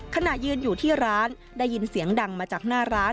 ขณะยืนอยู่ที่ร้านได้ยินเสียงดังมาจากหน้าร้าน